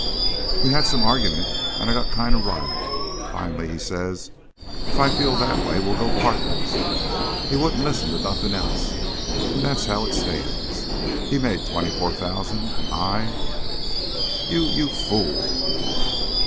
"We had some argyment an' I got kinda r'iled. Finally he says if I feel that way we'll go pardners. He wouldn't listen to nothin' else, an' that's how it stands. He made twenty four thousand an' I " "You You _fool!